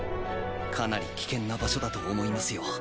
かなり危険な場所だと思いますよ。